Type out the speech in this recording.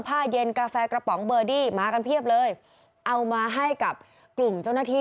ผ้าเย็นกาแฟกระป๋องเบอร์ดี้มากันเพียบเลยเอามาให้กับกลุ่มเจ้าหน้าที่